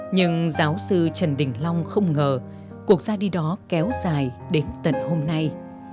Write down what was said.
nhưng giáo sư trần đình long không ngờ cuộc ra đi đó kéo dài đến tận hôm nay